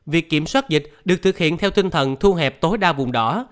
việc kiểm soát dịch được thực hiện theo tinh thần thu hẹp tối đa vùng đỏ